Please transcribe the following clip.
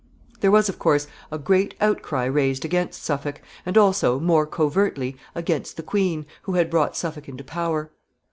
] There was, of course, a great outcry raised against Suffolk, and also, more covertly, against the queen, who had brought Suffolk into power.